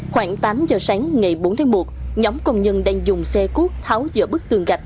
khoảng tám giờ sáng ngày bốn tháng một nhóm công nhân đang dùng xe cuốt tháo giữa bức tường gạch